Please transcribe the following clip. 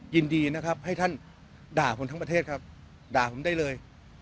ยินดีนะครับให้ท่านด่าคนทั้งประเทศครับด่าผมได้เลย